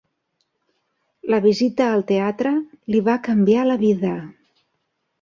La visita al teatre li va canviar la vida.